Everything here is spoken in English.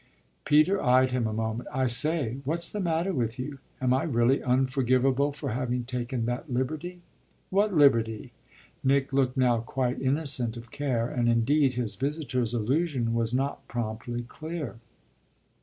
'" Peter eyed him a moment. "I say, what's the matter with you? Am I really unforgivable for having taken that liberty?" "What liberty?" Nick looked now quite innocent of care, and indeed his visitor's allusion was not promptly clear.